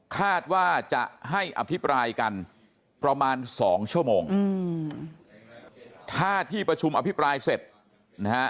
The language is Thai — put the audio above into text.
คาดว่าจะให้อภิปรายกันประมาณสองชั่วโมงอืมถ้าที่ประชุมอภิปรายเสร็จนะฮะ